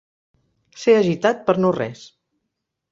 Ser agitat per no res.